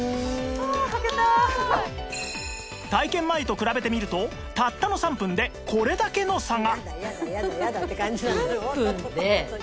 体験前と比べてみるとたったの３分でこれだけの差が